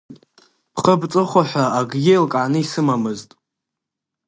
Бхы-бҵыхәа ҳәа акгьы еилкааны исымамызт.